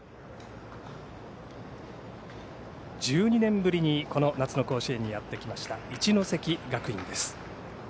１２年ぶりにこの夏の甲子園にやってきました一関学院です。